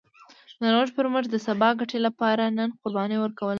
د نوښت پر مټ د سبا ګټې لپاره نن قرباني ورکول نه کېده